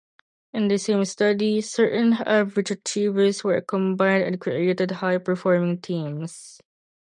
In the same study, certain average achievers were combined and created high performing teams.